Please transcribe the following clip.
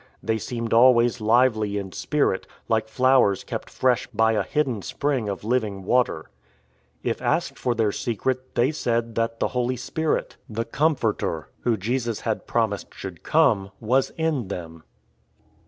They seemed always lively in spirit, like flowers kept fresh by a hidden spring of living water. If asked for their secret they said that the Holy Spirit 70 IN TRAINING — the Comforter — Who Jesus had promised should come, was in them.